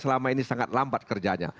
selama ini sangat lambat kerjanya